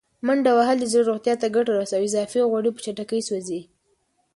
منډه وهل د زړه روغتیا ته ګټه رسوي او اضافي غوړي په چټکۍ سوځوي.